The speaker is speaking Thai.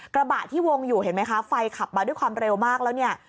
กระบะที่วงอยู่เห็นไหมคะไฟขับมาด้วยความเร็วมากแล้วเนี่ย